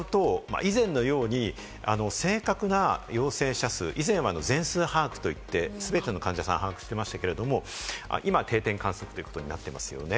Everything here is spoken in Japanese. これを伺うと、以前のように正確な陽性者数、以前は全数把握といって全ての患者さんを把握していましたけれども、今、定点観測ということになっていますね。